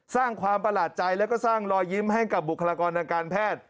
สร้างความประหลาดใจแล้วก็สร้างรอยยิ้มให้กับบุคลากรทางการแพทย์